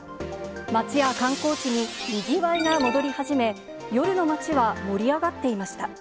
街や観光地ににぎわいが戻り始め、夜の街は盛り上がっていました。